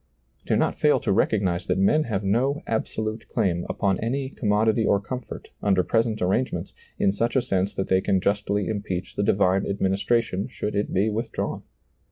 Do not fail to recognize that men have no absolute claim upon any com modity or comfort, under present arrangements, in such a sense that they can justly impeach the divine administration should it be withdrawn.